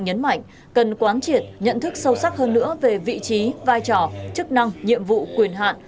nhấn mạnh cần quán triệt nhận thức sâu sắc hơn nữa về vị trí vai trò chức năng nhiệm vụ quyền hạn